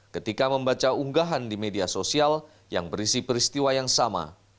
ketika membaca unggahan di media sosial yang berisi peristiwa yang sama